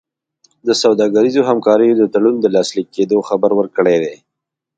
د سوداګریزو همکاریو د تړون د لاسلیک کېدو خبر ورکړی دی.